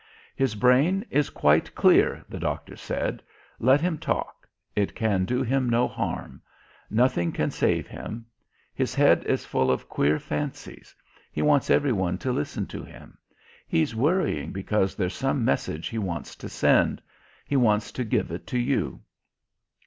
"His brain is quite clear," the doctor said. "Let him talk. It can do him no harm. Nothing can save him. His head is full of queer fancies; he wants every one to listen to him. He's worrying because there's some message he wants to send... he wants to give it to you."